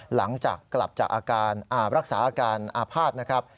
หลังจากกลับจากอาการรักษาอาการอาภาษณ์นะครับ